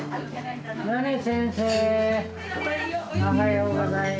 ヨネ先生おはようございます。